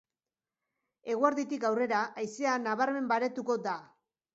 Eguerditik aurrera haizea nabarmen baretuko da.